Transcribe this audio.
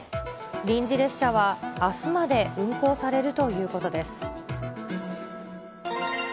臨時列車はあすまで運行されるということです。